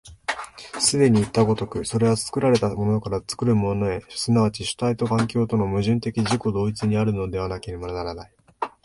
既にいった如く、それは作られたものから作るものへ、即ち主体と環境との矛盾的自己同一にあるのでなければならない。